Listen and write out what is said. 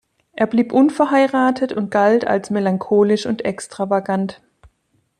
Er blieb unverheiratet und galt als melancholisch und extravagant.